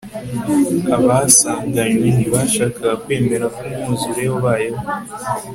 abasanganywe ntibashakaga kwemera ko umwuzure wabayeho